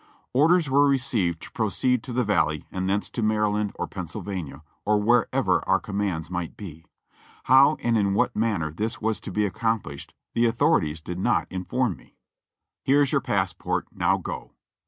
Orders were received to proceed to the Valley and thence to Maryland or Pennsylvania, or wherever our commands might be. How and in what manner this was to be accomplished the author ities did not inform me. "Here's your passport, now go."